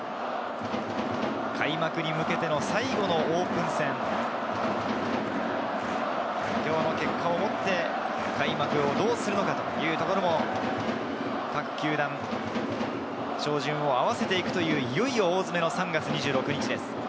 開幕に向けての最後のオープン戦、今日の結果を持って、開幕をどうするのか、各球団、照準を合わせていく大詰めの３月２６日です。